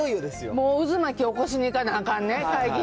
もう渦巻き起こしにいかなあかんね、会議。